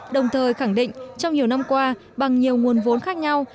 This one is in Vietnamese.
đồng thời khẳng định trong nhiều năm qua bằng nhiều nguồn vốn khác nhau